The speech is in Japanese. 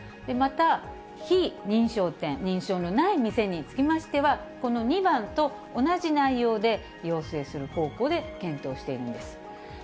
また、非認証店、認証のない店につきましては、この２番と同じ内容で、要請する方向で検討しているんです。